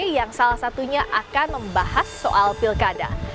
yang salah satunya akan membahas soal pilkada